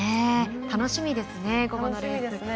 楽しみですね、午後のレース。